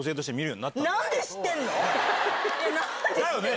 だよね？